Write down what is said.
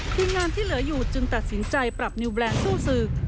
ทีมงานที่เหลืออยู่จึงตัดสินใจปรับนิวแบรนด์สู้ศึก